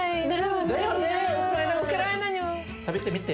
食べてみて。